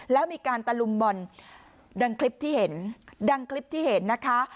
แล้วมีการตะลุมบ่อนดังคลิปที่เห็นดังคลิปที่เห็นนะคะ